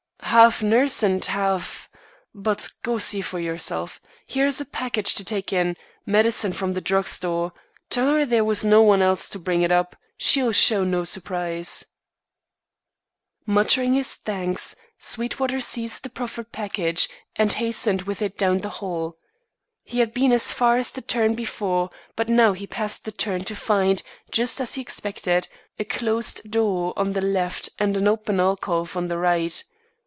"Half nurse and half but go see for yourself. Here's a package to take in, medicine from the drug store. Tell her there was no one else to bring it up. She'll show no surprise." Muttering his thanks, Sweetwater seized the proffered package, and hastened with it down the hall. He had been as far as the turn before, but now he passed the turn to find, just as he expected, a closed door on the left and an open alcove on the right.